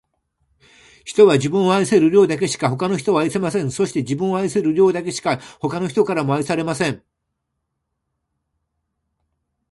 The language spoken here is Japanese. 人は、自分を愛せる量だけしか、他の人を愛せません。そして、自分を愛せる量だけしか、他の人からも愛されません。